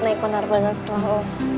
naik penerbangan setelah lo